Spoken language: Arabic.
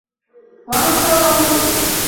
وَنُصْحُ الْأُمَّةِ